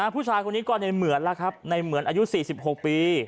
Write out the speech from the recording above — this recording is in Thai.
ผู้ชายคนนี้ก็ในเหมือนล่ะครับในเหมือนอายุ๔๖ปี